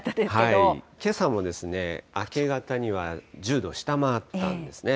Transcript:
けさも明け方には１０度を下回ったんですね。